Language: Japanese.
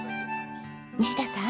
西田さん。